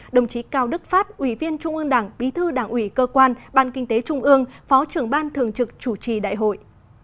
đồng chí cao đức pháp ủy viên trung ương đảng bí thư đảng ủy cơ quan ban kinh tế trung ương phó trưởng ban thường trực chủ trì đại hội